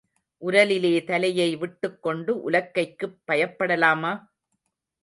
உரலிலே தலையை விட்டுக்கொண்டு உலக்கைக்குப் பயப்படலாமா?